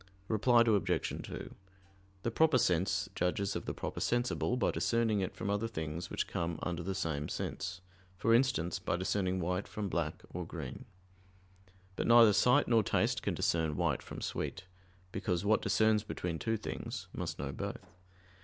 Reply Obj. 2: The proper sense judges of the proper sensible by discerning it from other things which come under the same sense; for instance, by discerning white from black or green. But neither sight nor taste can discern white from sweet: because what discerns between two things must know both.